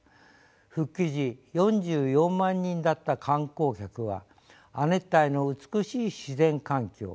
復帰時４４万人だった観光客は亜熱帯の美しい自然環境